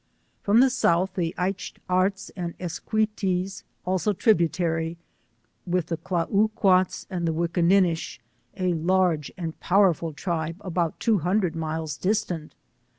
From tlie South, the Aytch arts and Esqui ates also tributary, with the Kla oo quates, and the Wickanuish, a large and powerful tribe about two hundred miles dwtant.